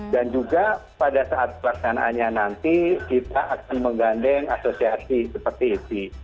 dan juga pada saat pelaksanaannya nanti kita akan menggandeng asosiasi seperti ini